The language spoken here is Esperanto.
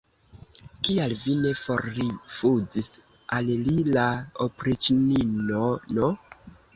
Kial vi ne forrifuzis al li la opriĉnino'n?